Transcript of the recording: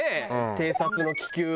偵察の気球。